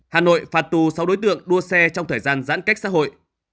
hà nội phạt tù sáu đối tượng đua xe trong thời gian giãn cách xã hội